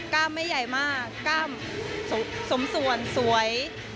้ามไม่ใหญ่มากกล้ามสมส่วนสวย